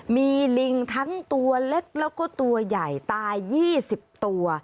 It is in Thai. มีลิงทั้งตัวเล็กแล้วก็ตัวใหญ่ตาย๒๐ตัว